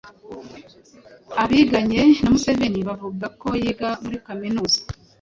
Abiganye na Museveni bavuga ko yiga muri kaminuza